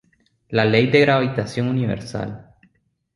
La ley de gravitación universal.